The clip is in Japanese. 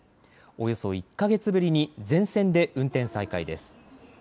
およそ１か月ぶりに全線で運転再開です。